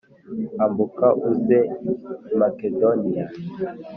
Ambuka uze i Makedoniya